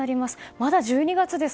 まだ１２月です。